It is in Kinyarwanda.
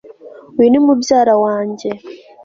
uyu ni mubyara wanjye